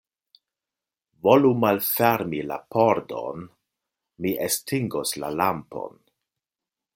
Volu malfermi la pordon; mi estingos la lampon.